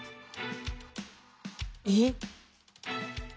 えっ？